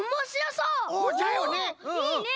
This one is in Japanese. いいね！